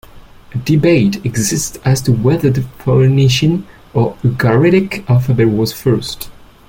A debate exists as to whether the Phoenician or Ugaritic "alphabet" was first.